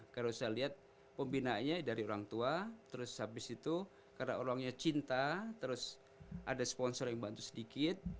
kalau saya lihat pembinaannya dari orang tua terus habis itu karena orangnya cinta terus ada sponsor yang bantu sedikit